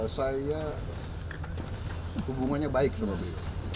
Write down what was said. saya hubungannya baik sama beliau